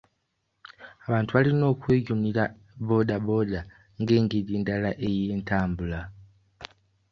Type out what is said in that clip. Abantu balina okweyunira bbooda bbooda nga engeri endala ey'entambula